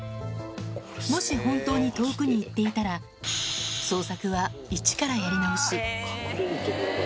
もし本当に遠くに行っていたら、捜索は一からやり直し。